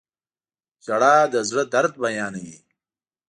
• ژړا د زړه درد بیانوي.